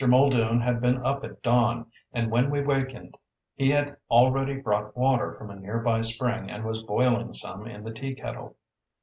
Muldoon had been up at dawn, and when we wakened he had already brought water from a near by spring and was boiling some in the teakettle.